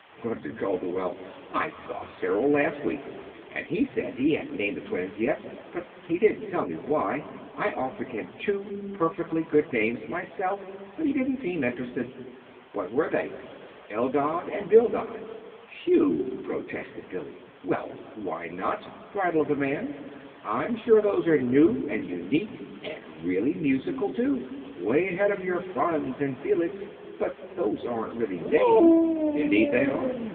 "Humph!" grunted Calderwell. "I saw Cyril last week, and he said he hadn't named the twins yet, but he didn't tell me why. I offered him two perfectly good names myself, but he didn't seem interested." "What were they?" "Eldad and Bildad." "Hugh!" protested Billy. "Well, why not?" bridled the man. "I'm sure those are new and unique, and really musical, too 'way ahead of your Franz and Felix." "But those aren't really names!" "Indeed they are."